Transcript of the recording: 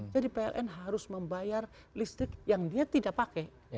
jadi pln harus membayar listrik yang dia tidak pakai